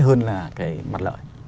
hơn là cái mặt lợi